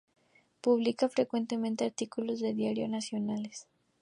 Publica frecuentemente artículos en diarios nacionales.